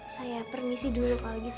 saya permisi dulu kalau gitu